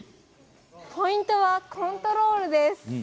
ポイントはコントロールです。